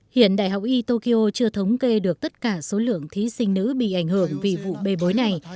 hiện đại học y tokyo chưa thống kê được tất cả số lượng thí sinh nữ bị ảnh hưởng vì vụ bê bối này